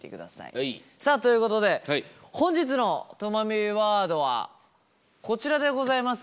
さあということで本日のとまビワードはこちらでございます。